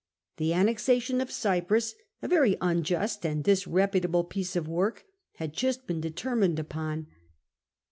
The annexation of Cyprus, a very unjust and disreputable piece of work, had just been determined upon.